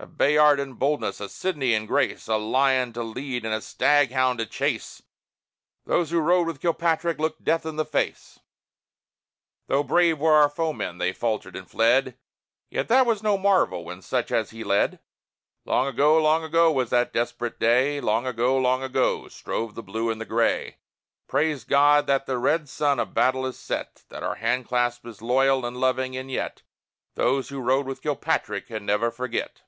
_ A Bayard in boldness, a Sidney in grace, A lion to lead and a stag hound to chase Those who rode with Kilpatrick looked Death in the face! Though brave were our foemen, they faltered and fled; Yet that was no marvel when such as he led! Long ago, long ago, was that desperate day! Long ago, long ago, strove the Blue and the Gray! Praise God that the red sun of battle is set! That our hand clasp is loyal and loving and yet, Those who rode with Kilpatrick can never forget!